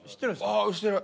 ああ知ってる。